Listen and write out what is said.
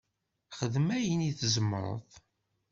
Xdem ayen i tzemreḍ.